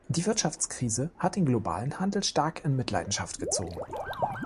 Die Wirtschaftskrise hat den globalen Handel stark in Mitleidenschaft gezogen.